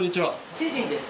主人です。